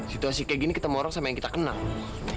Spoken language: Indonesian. situasi kayak gini kita morong sama yang kita kenal